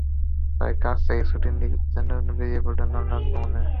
তাই কাজ থেকে ছুটি নিয়ে কিছুদিনের জন্য বেরিয়ে পড়লেন লন্ডন ভ্রমণে।